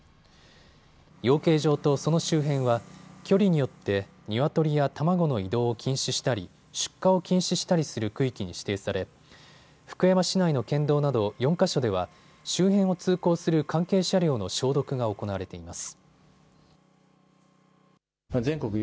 養鶏場とその周辺は距離によってニワトリや卵の移動を禁止したり出荷を禁止したりする区域に指定され福山市内の県道など４か所では周辺を通行する関係車両の消毒が行われています。